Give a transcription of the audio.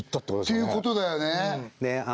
ていうことだよね